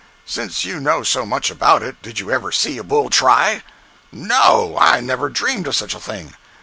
Since you know so much about it, did you ever see a bull try?" "No! I never dreamt of such a thing."